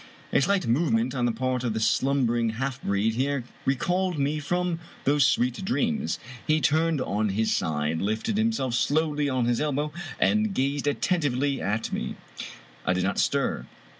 A slight movement on the part of the sltmibering half breed here recalled me from those sweet dreams. He turned on his side, lifted himself slowly on his elbow, and gazed attentively at me. I did not stir.